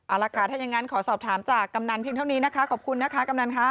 เอาละค่ะถ้ายังงั้นขอสอบถามจากกำนันเพียงเท่านี้นะคะขอบคุณนะคะกำนันค่ะ